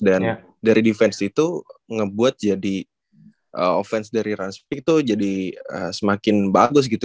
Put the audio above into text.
dan dari defense itu ngebuat jadi offense dari ranz itu jadi semakin bagus gitu